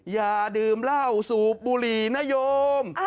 อย่าดื่มเหล้าสูบบุหรี่นโยม